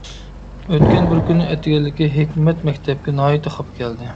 ئۆتكەن بىر كۈنى ئەتىگەنلىكى ھېكمەت مەكتەپكە ناھايىتى خاپا كەلدى.